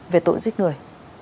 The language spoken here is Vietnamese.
về tội giết người